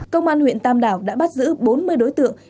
công an huyện tam đảo đã bắt giữ bốn mươi đối tượng